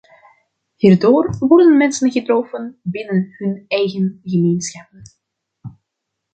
Hierdoor worden mensen getroffen binnen hun eigen gemeenschappen.